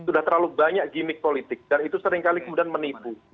sudah terlalu banyak gimmick politik dan itu seringkali kemudian menipu